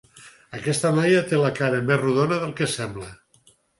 Aquesta noia té la cara més rodona del que sembla.